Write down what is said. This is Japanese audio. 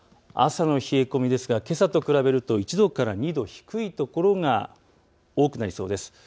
朝の冷え込みですがけさと比べると１度から２度低いところが多くなりそうです。